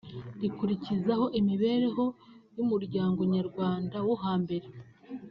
rikurikizaho imibereho y’umuryango Nyarwanda wo hambere